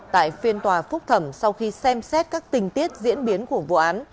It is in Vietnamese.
tại phiên tòa phúc thẩm sau khi xem xét các tình tiết diễn biến của vụ án